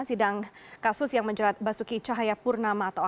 sidang kasus yang menjerat basuki cahaya purnama atau hok